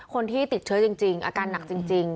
คนที่ติดเชื้อจริงอาการหนักจริง